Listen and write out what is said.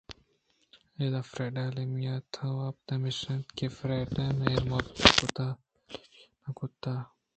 اِدا فریڈا ءُایمیلیا ءِ تپاوت ہمش اِنت کہ فریڈا ءَمہرءُمحبت کُت ءُایمیلیا ءَنہ کُتءُ آ یاگی بوت